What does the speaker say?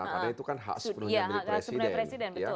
karena itu kan hak sepenuhnya milik presiden